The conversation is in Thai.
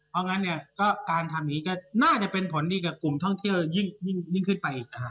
เอางั้นเนี่ยก็การทำอย่างนี้ก็น่าจะเป็นผลดีกับกลุ่มท่องเที่ยวยิ่งขึ้นไปอีก